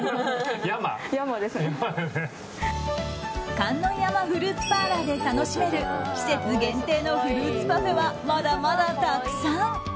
観音山フルーツパーラーで楽しめる季節限定のフルーツパフェはまだまだたくさん！